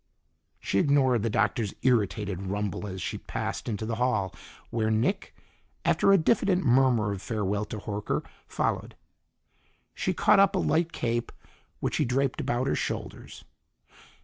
She ignored the Doctor's irritated rumble as she passed into the hall, where Nick, after a diffident murmur of farewell to Horker, followed. She caught up a light cape, which he draped about her shoulders.